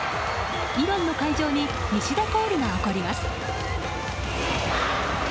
イランの会場に西田コールが起こります。